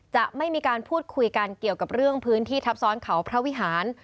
จะไม่มีการพูดคุยกันเกี่ยวกับเรื่องพื้นที่ทับซ้อนเขาพระวิหาร